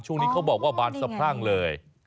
ช่วงนี้เขาบอกว่าบานสะพรั่งเลย